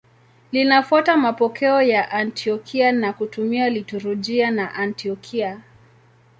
Linafuata mapokeo ya Antiokia na kutumia liturujia ya Antiokia.